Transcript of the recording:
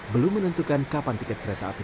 belum menentukan kapan tiket kereta api